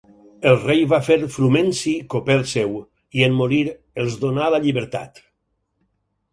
El rei va fer Frumenci coper seu i, en morir, els donà la llibertat.